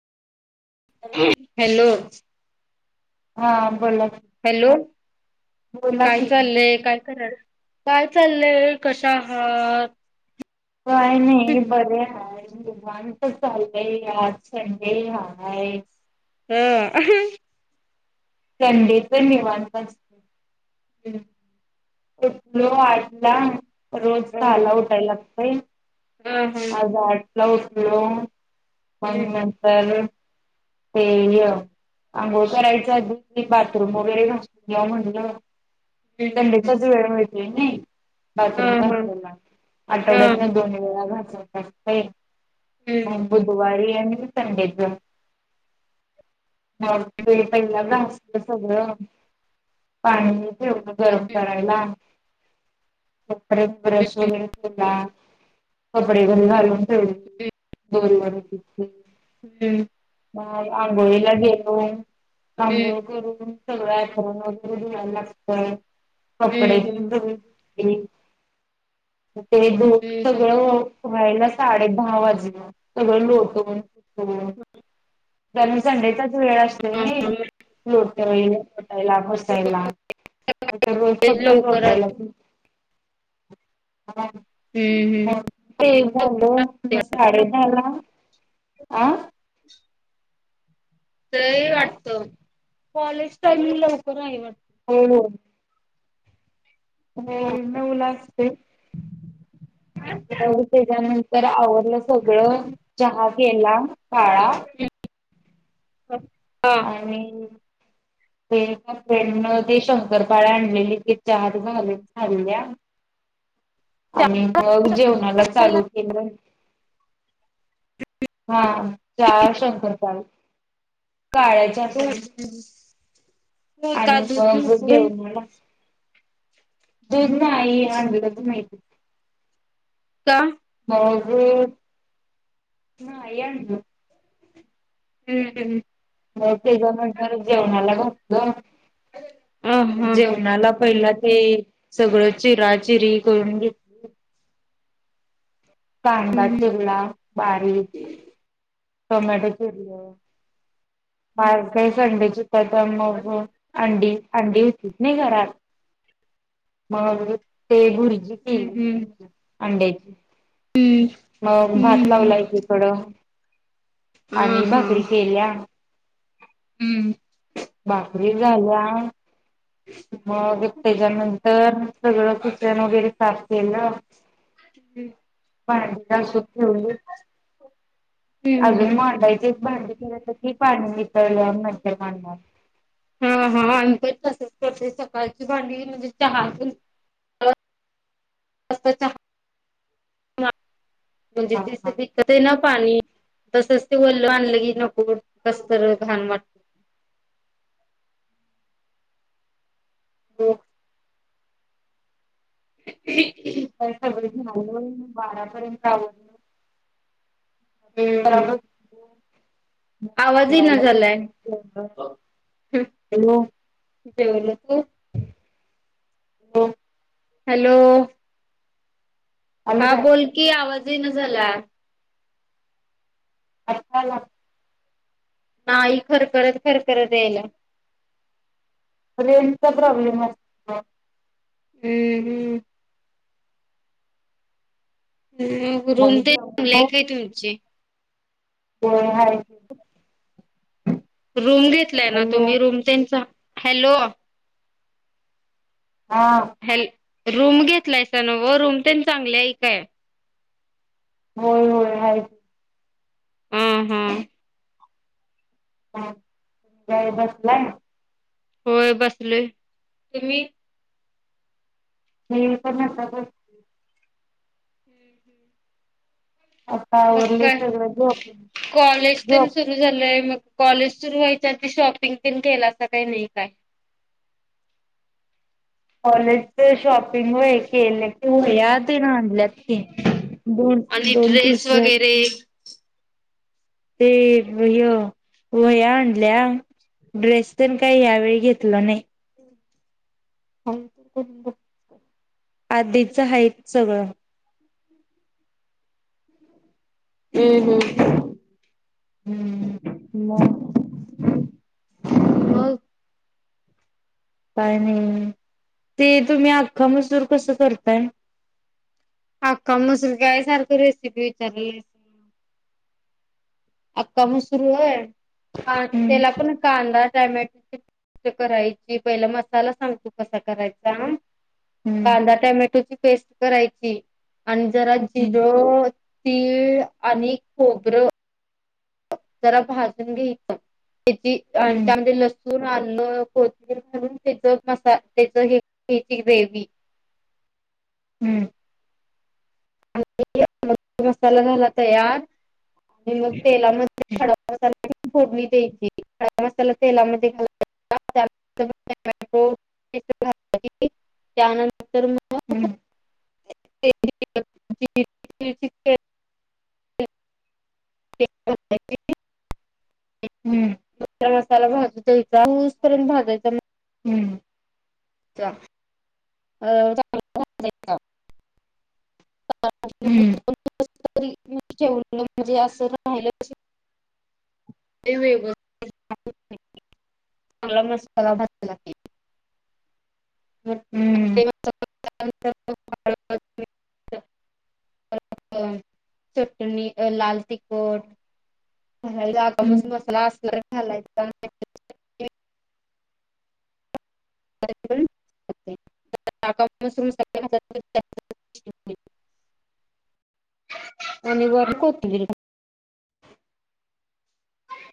Hello. Hello हा बोला. की, हॅलो बोला काय की. चाललंय काय कराल. काय चाललंय कशा हात काय नाही बरे आहे. दवांत चाललंय आज संडे हाय हा थंडे तर मेवानपच ह उठलो आठला रोज झाला उठायला लागतय हम हम् उचलो आणिग नंतर ते आंघोळ करायचा बाथरूम वगैरे घ म्हटलं ड ह तच वेळ माहितीय नाही बाथरूम ह घासलेला आठवड्यात हम्म हम्म नाही हम्म दोन वेळा घासय म बुधवारी आणि संडेच म ते पहिला भासलं सगळं पाणी वढ गरम करायला ब्रश वगैरे फुला कपडे घरी घालून ठेवले दोरी हम्म म आंघोळीला घेऊन आंघोळी करून सगळ आण वगैरे घयला लागत हम्म हम्म कपडे हम्म हम्म ते दोन हम्म सगळं यला साडे दहा वाजून सगळं लोटून फटून ज संडेचाच वेळ असतो ना लोट वेळी ला फसायला रोज फक्त लवकर लोटायला हम्म हम्म ते लवकर झालं असते साडे झाला अ ते वाटत कॉलेज टाईम लवकर आहे वाटत हो हो हो वाटत न उला असते त्याच्यानंतर आवडलं सगळं जहाज याला काळा अप आणि [inaudible] तेफ्रेंडन ते शंकरपाळ आणलेली कि चहाातले झााल्ल्या [inaudible] आणि मग जेवणाला चालू केलं हा चार शंक चाल काळायच असे हो का आणि दूध मग पितोय घेऊन मला दुनई आत म का होग ह ए हम्म हम् म त्याच्यानंतर जेवणाला बघत ह ह जेवणाला पहिला ते सगळ चिरा चिरी करून घेतली कांदा चिवला बारीक टोमाॅटो चरया बाार काही संडेचीतात मग अंडी अंडी होतीच नाही घरात मग ते गुरजी हा अंडेची म भात लावलाय क थोडं आणि भाकरी केल्या हम्म बाकरी झाल्या मग त्याच्यानंतर सगळं किचन वगैरे साफ केलं हम्म ज सुठी होय अजून मडायचेच बध के तर क पाणी विकळलं म्या पाना हा हा आणि पण तसच करते सकाळची भांडी म्हणजे चहा म्हणजे हा तिच हा विकत आहे ना पाणी तसच ते ोलल आणलं की नको कस तर घण वाटत हो ह का सगळ झालं म बारापर्यंत आवडल तरव आवाजही न झालाय घेतलं. ब हॅलो तू हो हॅलो आलं हा काय बोलकीी आवाजही न झाला अताला नाही खरखरत खरखत येल चा प्रॉब्लेम आहे हम्म हम्म मग रूम ते चांगले आहे काय तुमची हो हर हो रूम घेतलाय ना हॅलो तुम्ही रूम त्यांचा हॅलो हा हॅल रूम घेतलाय स न व रूम तर चांगले आहे काय होय होय ह हम हम् ह बसला ना होय बसलय त्ही म पण नता आता मग आवरलंय काय सगळं झोप कॉलेज पण झोप सुरू झालंय मग कॉलेज सुरू व्हायच्या ते शॉपिंग पिण केला अस काही नाही काय [unintelligible] कॉलेज शॉपिंग व एक के या दे ना आणल्यात दोन आणि दोन ड्रेस तीस वगैरे ते व वया्या आणल्या ड्रेस पण काही यावेळी घेतला नाही [unintelligible] आधीच हायत सगळं हम्म हम् हम्म मग हो काय नाही ते तुम्ही अख्खा मजूर कसं करताय अक्का मसलगय सारख रेसिपी विचारलेली असेल आक्का मण सुरू आहेां हम्म त्याला पण कांदा टमॅटोची पस् करायची पहिला मसाला सांगतो कसा करायचा हम्म कांदा टमॅटोची पेस्ट करायची आणि जरा हम्म जिरो तीळ आणि खोबरं जरा भाजून घ्यायच. त्याची हम्म त्यामध्ये लसूण, आलं, कोथबिर [unintelligible] शती देवी हम्म. मसाला झाला तयार आणि मग तेलामध्ये ह. फोडली द्यायची. सगळा मसाला तेलामध्ये घाल यचा त्यानंतर [unintelligible] हम्म. [unintelligible] [inaudible] [inaudible] हम्म. मसाला भाज द्यायचा [unintelligible] ऊस पर्यंत भाजायचा. हम्म. अ [inaudible] हम्म. त मी ठेवल म्हणजे असं राहिलं [inaudible] ते वेगळं [inaudible] सगळा मसाला भाजला कि हम्म. मसाला त्यानंतर [unintelligible] चटणी लाल तिकट - [unintelligible] हम्म. मसाला असला तर घालायचा. [inaudible] [unintelligible] [unintelligible] आणि वर कोतमिर घालायची.